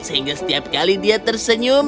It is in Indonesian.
sehingga setiap kali dia tersenyum